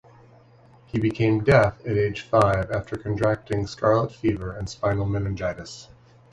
He became deaf at age five after contracting scarlet fever and spinal meningitis.